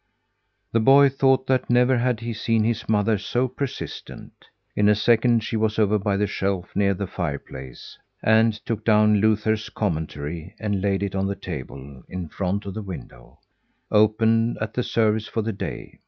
The boy thought that never had he seen his mother so persistent. In a second she was over by the shelf near the fireplace, and took down Luther's Commentary and laid it on the table, in front of the window opened at the service for the day.